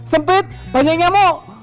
sampai banyaknya mo